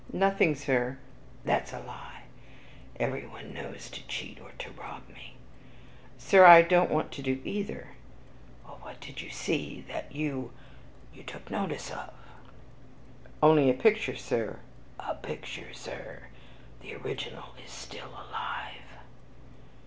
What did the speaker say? "Nothing, Sir." "That's a lie; everyone wants to cheat or to rob me." "Sir, I don't want to do either." "Well, what did you see that you you took notice of?" "Only a picture, Sir." "A picture, Sir! the original is still alive."